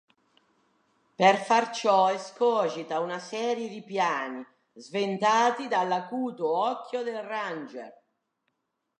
Per far ciò escogita una serie di piani, sventati dall'acuto occhio del ranger.